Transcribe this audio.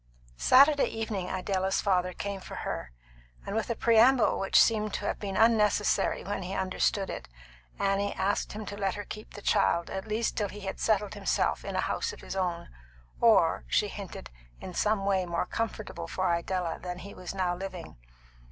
Saturday evening Idella's father came for her; and with a preamble which seemed to have been unnecessary when he understood it, Annie asked him to let her keep the child, at least till he had settled himself in a house of his own, or, she hinted, in some way more comfortable for Idella than he was now living.